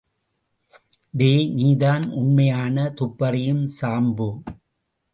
டேய், நீதான் உண்மையான துப்பறியும் சாம்பு.